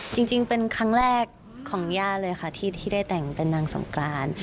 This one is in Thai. จริงเป็นครั้งแรกของย่าเลยค่ะที่ได้แต่งเป็นนางสงกราน